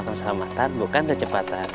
bukan keselamatan bukan kecepatan